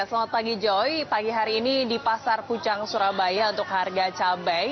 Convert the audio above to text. selamat pagi joy pagi hari ini di pasar pucang surabaya untuk harga cabai